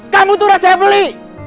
kamu tuh rasanya buli